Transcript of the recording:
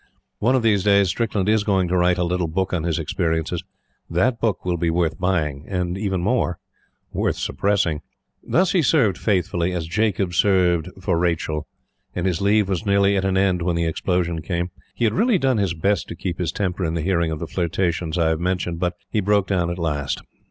One of these days, Strickland is going to write a little book on his experiences. That book will be worth buying; and even more, worth suppressing. Thus, he served faithfully as Jacob served for Rachel; and his leave was nearly at an end when the explosion came. He had really done his best to keep his temper in the hearing of the flirtations I have mentioned; but he broke down at last.